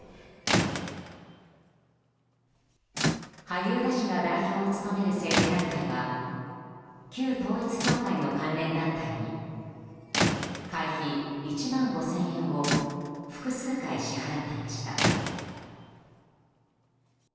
萩生田氏が代表を務める政治団体は旧統一教会の関連団体に会費１万５０００円を複数回、支払っていました。